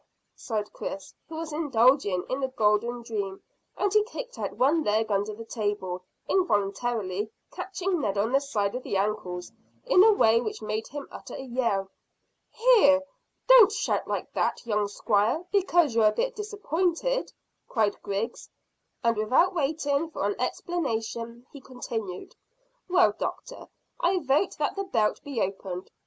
sighed Chris, who was indulging in a golden dream, and he kicked out one leg under the table, involuntarily catching Ned on the side of the ankle in a way which made him utter a yell. "Here, don't shout like that, young squire, because you're a bit disappointed," cried Griggs; and without waiting for an explanation, he continued, "Well, doctor, I vote that the belt be opened.